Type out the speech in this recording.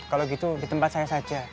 kalau gitu di tempat saya saja